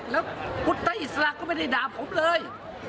แล้วพุทธอิสระก็ไม่ได้ด่าผมเลย